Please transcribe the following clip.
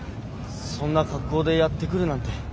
そんな格好でやって来るなんて。